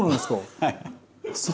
はい。